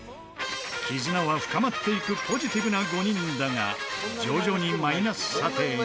絆は深まっていくポジティブな５人だが徐々にマイナス査定に。